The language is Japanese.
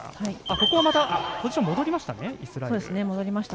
ここはまたポジション戻ったイスラエル。